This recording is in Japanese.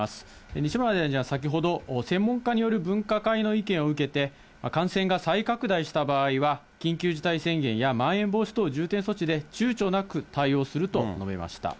西村大臣は先ほど、専門家による分科会の意見を受けて、感染が再拡大した場合は、緊急事態宣言やまん延防止等重点措置でちゅうちょなく対応すると述べました。